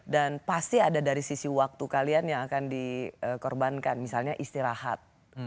dan pasti ada dari sisi waktu kalian yang akan dikorbankan misalnya istirahat